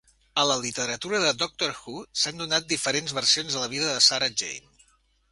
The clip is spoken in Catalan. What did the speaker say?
A la literatura de "Doctor Who", s'han donat diferents versions de la vida de Sarah Jane.